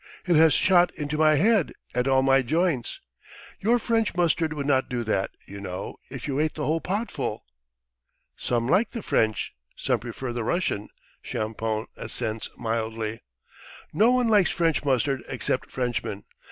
It has shot into my head and all my joints. Your French mustard would not do that, you know, if you ate the whole potful." "Some like the French, some prefer the Russian. .." Champoun assents mildly. "No one likes French mustard except Frenchmen.